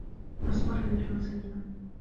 أصبح اللحم سيئا.